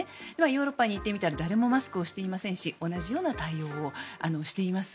ヨーロッパに行ってみたら誰もマスクをしていませんし同じような対応をしています。